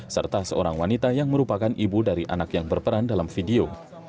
serta seorang wanita yang merupakan ibu dari anak yang berperan dalam video